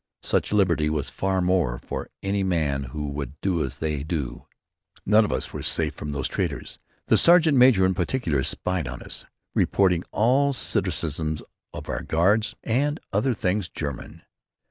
Such liberty was there for any man who would do as they did. None of us were safe from these traitors. The sergeant major in particular, spied on us, reporting all criticisms of our guards and other things German.